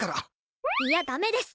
いやダメです！